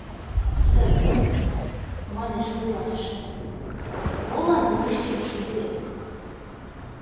— Тый, — манеш вуйлатыше, — молан вуйышкем шӱведет?